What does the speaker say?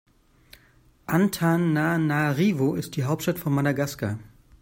Antananarivo ist die Hauptstadt von Madagaskar.